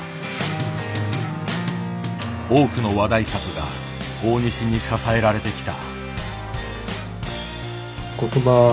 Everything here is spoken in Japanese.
多くの話題作が大西に支えられてきた。